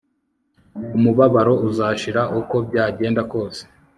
Umubabaro uzashiraho uko byagenda kose